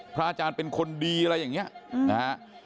พระอาจารย์เป็นคนดีอะไรอย่างนี้นะฮะ